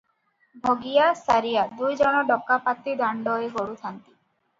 ଭଗିଆ, ସାରିଆ ଦୁଇଜଣ ଡକାପାତି ଦାଣ୍ତରେ ଗଡୁଥାନ୍ତି ।